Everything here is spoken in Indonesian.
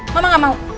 mama gak mau